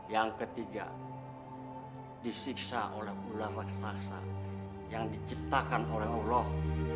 yang ketiga disiksa oleh ular raksasa yang diciptakan oleh allah